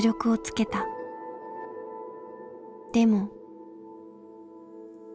でも。